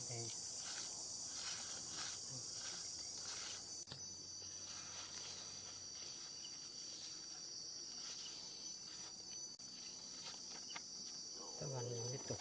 เวียนหัวไม่มาหรอกลูกไม่มาหรอก